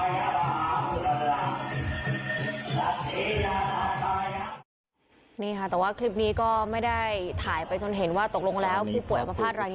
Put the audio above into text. อันนี้ค่ะแต่ว่าคลิปนี้ก็ไม่ได้ถ่ายไปถ่วงเห็นว่าตกลงแล้วผู้ป่วยมีพลาดรอมอยู่หลัง